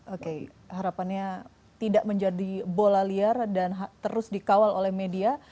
oke harapannya tidak menjadi bola liar dan terus dikawal oleh media